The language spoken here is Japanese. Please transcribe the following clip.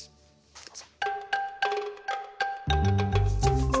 どうぞ。